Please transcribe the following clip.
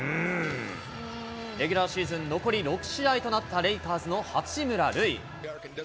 レギュラーシーズン残り６試合となったレイカーズの八村塁。